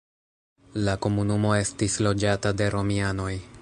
La komunumo estis loĝata de romianoj.